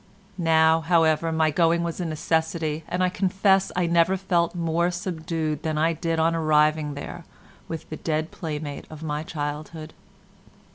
Now, however, my going was a necessity, and I confess I never felt more subdued than I did on arriving there with the dead playmate of my childhood.